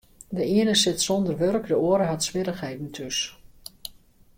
De iene sit sûnder wurk, de oare hat swierrichheden thús.